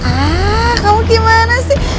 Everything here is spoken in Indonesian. ah kamu gimana sih